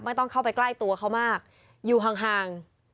ต้องเข้าไปใกล้ตัวเขามากอยู่ห่าง